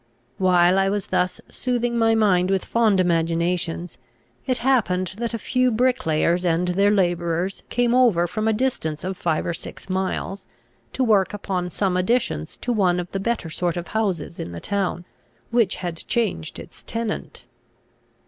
While I was thus soothing my mind with fond imaginations, it happened that a few bricklayers and their labourers came over from a distance of five or six miles, to work upon some additions to one of the better sort of houses in the town, which had changed its tenant.